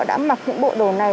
này và họ đã mặc những bộ đồ này